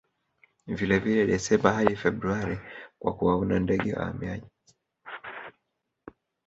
Vilevile Desemba hadi Februari kwa kuwaona ndege wahamiaji